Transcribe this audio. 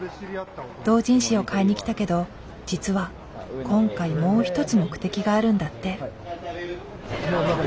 同人誌を買いに来たけど実は今回もう一つ目的があるんだって。